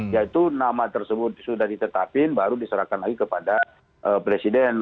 yaitu nama tersebut sudah ditetapkan baru diserahkan lagi kepada presiden